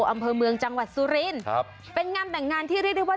อำเภอเมืองจังหวัดสุรินครับเป็นงานแต่งงานที่เรียกได้ว่า